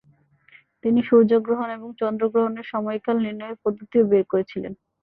তিনি সূর্য গ্রহণ এবং চন্দ্রগ্রহণের সময়কাল নির্ণয়ের পদ্ধতিও বের করেছিলেন।